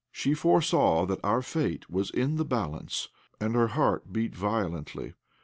She foresaw that our fate was in the balance, and her heart beat violently.